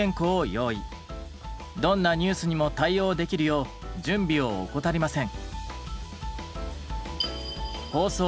どんなニュースにも対応できるよう準備を怠りません。